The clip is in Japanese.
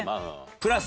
プラス